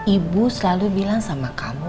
ibu selalu bilang sama kamu